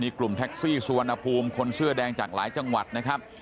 กลุ่มแท็กซี่สุวรรณภูมิคนเสื้อแดงจากหลายจังหวัดนะครับ